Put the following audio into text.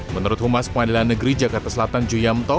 menurut humas pengadilan negeri jakarta selatan ju yamto